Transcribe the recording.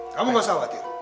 kamu gak usah khawatir